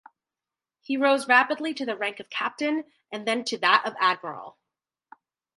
He rose rapidly to the rank of captain and then to that of admiral.